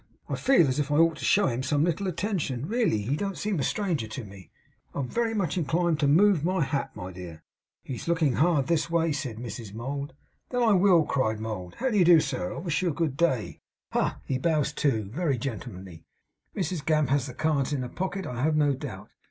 I feel as if I ought to show him some little attention, really. He don't seem a stranger to me. I'm very much inclined to move my hat, my dear.' 'He's looking hard this way,' said Mrs Mould. 'Then I will!' cried Mould. 'How d'ye do, sir! I wish you good day. Ha! He bows too. Very gentlemanly. Mrs Gamp has the cards in her pocket, I have no doubt.